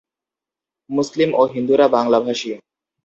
মুসলিম ও হিন্দুরা বাংলাভাষী।